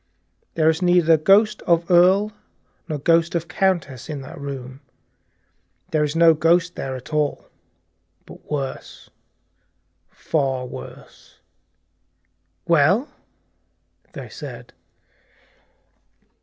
"There is neither ghost of earl nor ghost of countess in that room; there is no ghost there at all, but worse, far worse, something impalpable " "Well?" they said.